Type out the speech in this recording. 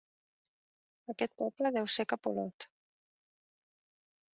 Aquest poble deu ser cap a Olot.